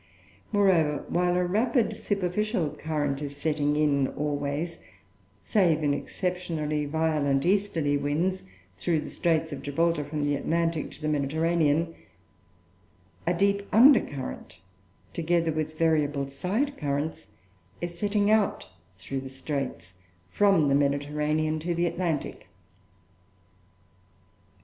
Moreover, while a rapid superficial current is setting in (always, save in exceptionally violent easterly winds) through the Straits of Gibraltar, from the Atlantic to the Mediterranean, a deep undercurrent (together with variable side currents) is setting out through the Straits, from the Mediterranean to the Atlantic.